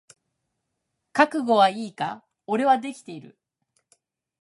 覚悟はいいか？俺はできてる。